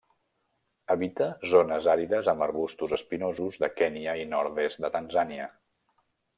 Habita zones àrides amb arbusts espinosos de Kenya i nord-est de Tanzània.